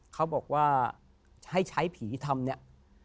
เขาบอกว่าให้ใช้ผีทำเนี่ย